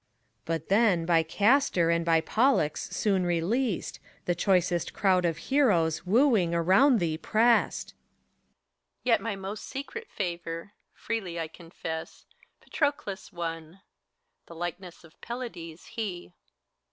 But then, by Castor and by Pollux soon released, The choicest crowd of heroes, wooing, round thee pressed. HELENA, Yet most my secret favor, freely I confess, Patroclus won, the likeness of Pelides he. PHORKYAS.